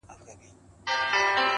سم په لاره کی اغزی د ستوني ستن سي،